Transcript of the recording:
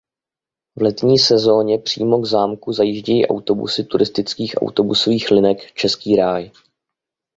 V letní sezóně přímo k zámku zajíždějí autobusy turistických autobusových linek „Český ráj“.